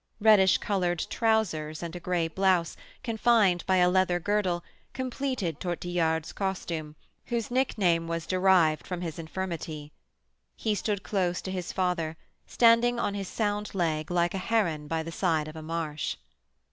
Reddish coloured trousers and a gray blouse, confined by a leather girdle, completed Tortillard's costume, whose nickname was derived from his infirmity. He stood close to his father, standing on his sound leg like a heron by the side of a marsh.